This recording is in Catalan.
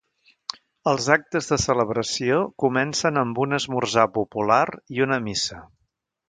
Els actes de celebració comencen amb un esmorzar popular i una missa.